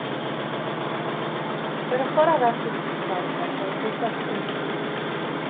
Yr ochr arall i'r briffordd mae hen Reithordy.